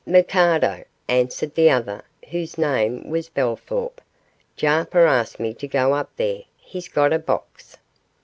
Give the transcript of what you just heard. '"Mikado",' answered the other, whose name was Bellthorp; 'Jarper asked me to go up there; he's got a box.